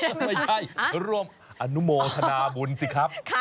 ไม่ใช่ร่วมอนุโมทนาบุญสิครับ